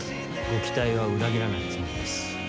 ご期待は裏切らないつもりです。